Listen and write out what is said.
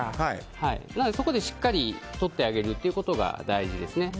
なのでそこでしっかり取ってあげるということが大事ですね。